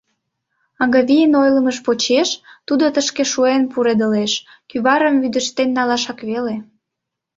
Агавийын ойлымыж почеш, тудо тышке шуэн пуредылеш, кӱварым вӱдыжтен налашак веле...